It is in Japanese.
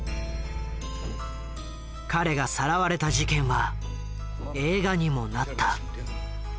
彼がさらわれた事件は映画にもなった。